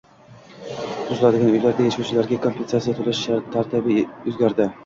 Buziladigan uylarda yashovchilarga kompensatsiya toʻlash tartibi oʻzgardi